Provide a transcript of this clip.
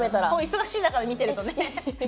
忙しい中で見てるとね。